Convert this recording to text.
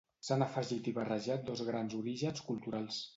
S'han afegit i barrejat dos grans orígens culturals